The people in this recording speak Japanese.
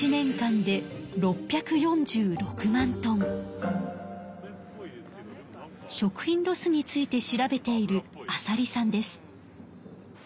その量は食品ロスについて調べている浅利さんです。